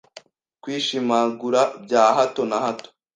kwishimagura bya hato na hato